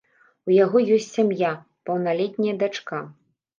У яго ёсць сям'я, паўналетняя дачка.